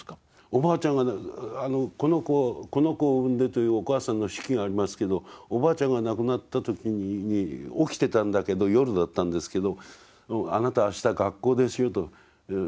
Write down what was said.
「この子を生んで」というお母さんの手記がありますけどおばあちゃんが亡くなった時に起きてたんだけど夜だったんですけど「あなたはあした学校ですよ」と。